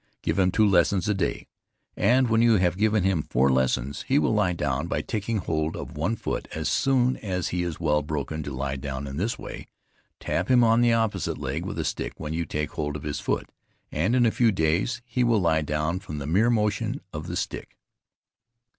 Give him two lessons a day, and when you have given him four lessons, he will lie down by taking hold of one foot. As soon as he is well broken to lie down in this way, tap him on the opposite leg with a stick when you take hold of his foot, and in a few days he will lie down from the mere motion of the stick.